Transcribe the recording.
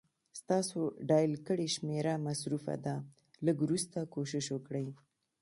ستاسو ډائل کړې شمېره مصروفه ده، لږ وروسته کوشش وکړئ